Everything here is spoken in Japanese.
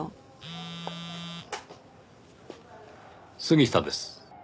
杉下です。